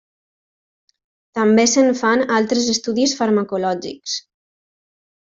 També se'n fan altres estudis farmacològics.